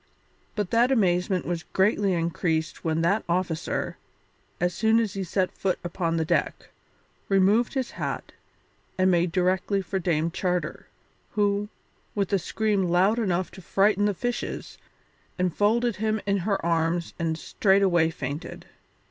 But that amazement was greatly increased when that officer, as soon as he set foot upon the deck, removed his hat and made directly for Dame Charter, who, with a scream loud enough to frighten the fishes, enfolded him in her arms and straightway fainted.